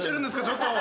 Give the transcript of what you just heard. ちょっと！